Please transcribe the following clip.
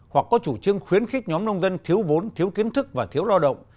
hoặc có chủ trương khuyến khích nhóm nông dân thiếu vốn thiếu kiến thức và thiếu lao động